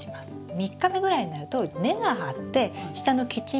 ３日目ぐらいになると根が張って下のキッチンペーパーに絡むんです。